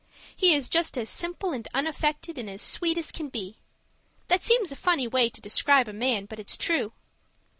He is just as simple and unaffected and sweet as he can be that seems a funny way to describe a man, but it's true.